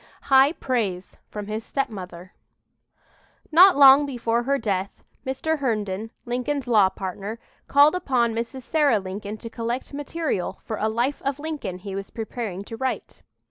HIGH PRAISE FROM HIS STEPMOTHER Not long before her death, Mr. Herndon, Lincoln's law partner, called upon Mrs. Sarah Lincoln to collect material for a "Life of Lincoln" he was preparing to write.